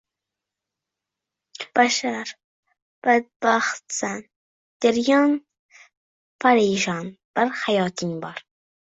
Bashar! Badbaxtsan giryon, parishon bir hayoting bor